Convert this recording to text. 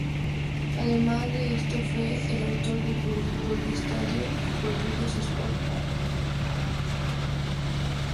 Además de esto fue el autor del primer gol del Estadio Cocodrilos Sport Park.